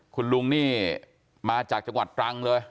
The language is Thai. คุณลุงนี่มาจากจังหวัดตรังเลย